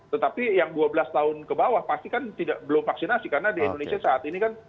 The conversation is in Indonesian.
tetapi yang dua belas tahun ke bawah pasti kan belum vaksinasi karena di indonesia saat ini kan